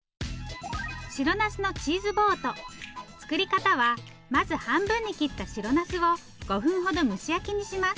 白なすのチーズボート作り方はまず半分に切った白なすを５分ほど蒸し焼きにします。